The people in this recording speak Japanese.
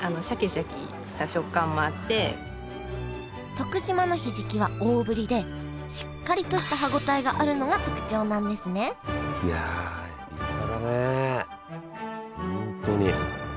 徳島のひじきは大ぶりでしっかりとした歯応えがあるのが特徴なんですねいや立派だね本当に。